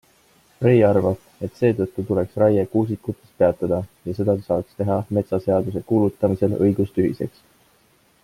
Frey arvab, et seetõttu tuleks raie kuusikutes peatada ja seda saaks teha metsaseaduse kuulutamisel õigustühiseks.